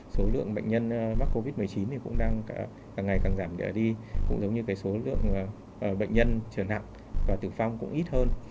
số lượng bệnh nhân mắc covid một mươi chín thì cũng đang càng ngày càng giảm đi cũng giống như cái số lượng bệnh nhân trở nặng và tử phong cũng ít hơn